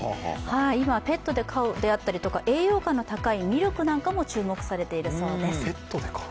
今、ペットで飼うであるとか、栄養価の高いミルクなども注目されているそうです